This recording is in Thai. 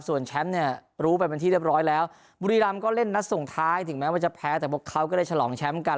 ส่วนแชมป์เนี่ยรู้ไปเป็นที่เรียบร้อยแล้วบุรีรำก็เล่นนัดส่งท้ายถึงแม้ว่าจะแพ้แต่พวกเขาก็ได้ฉลองแชมป์กัน